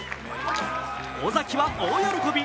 尾崎は大喜び。